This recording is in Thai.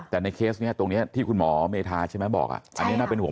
แต่ในเคสนี้ตรงนี้ที่คุณหมอเมธาใช่ไหมบอกอันนี้น่าเป็นห่วง